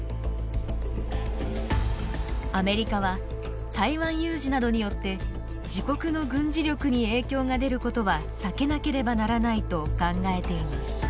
アメリカは台湾有事などによって自国の軍事力に影響が出ることは避けなければならないと考えています。